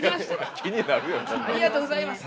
ありがとうございます。